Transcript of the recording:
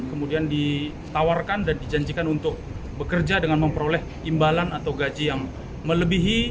kemudian ditawarkan dan dijanjikan untuk bekerja dengan memperoleh imbalan atau gaji yang melebihi